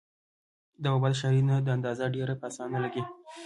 د بابا د شاعرۍ نه دا اندازه ډېره پۀ اسانه لګي